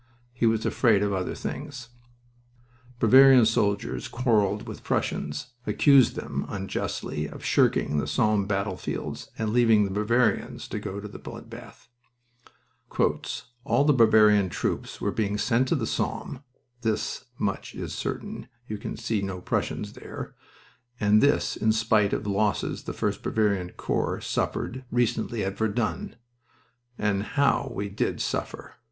He was afraid of other things. Bavarian soldiers quarreled with Prussians, accused them (unjustly) of shirking the Somme battlefields and leaving the Bavarians to go to the blood bath. "All the Bavarian troops are being sent to the Somme (this much is certain, you can see no Prussians there), and this in spite of the losses the 1st Bavarian Corps suffered recently at Verdun! And how we did suffer!...